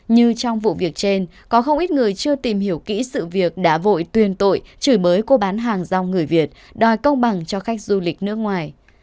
như trong vụ việc trên có không ít người chưa tìm hiểu kỹ sự việc đã vội tuyên tội chửi bới cô bán hàng rong người việt đòi công bằng cho khách du lịch nước ngoài